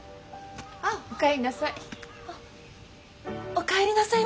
あっお帰りなさい。